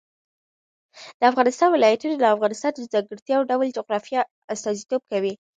د افغانستان ولايتونه د افغانستان د ځانګړي ډول جغرافیه استازیتوب کوي.